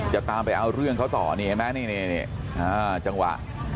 จะตามไปเอาเรื่องเขาต่อนี่เห็นไหมนี่จังหวะ